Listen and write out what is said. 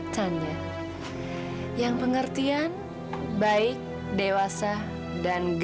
aku akan buat satu rumah ini benci sama kamu